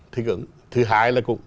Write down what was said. thích ứng thứ hai là